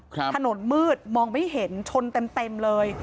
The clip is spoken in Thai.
ถนนมืดมองไม่เห็นชนเต็มเต็มเลย